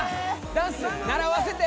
ダンス習わせて！